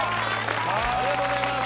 ありがとうございます。